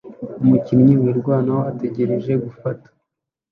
umukinnyi wirwanaho utegereje gufata